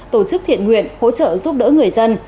tổ chức thiện nguyện hỗ trợ giúp đỡ người dân